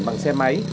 bằng xe máy